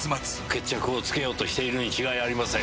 決着をつけようとしているに違いありません。